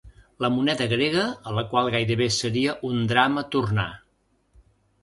La moneda grega a la qual gairebé seria un drama tornar.